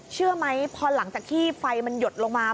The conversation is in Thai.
เชื่อไหมพอหลังจากที่ไฟมันหยดลงมา